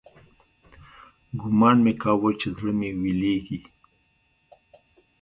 ګومان مې كاوه چې زړه مې ويلېږي.